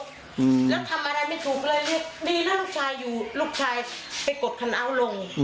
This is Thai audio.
แล้วทำอะไรไม่ถูกเลยดีแล้วลูกชายอยู่